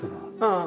ああ。